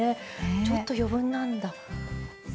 ちょっと余分なんだ。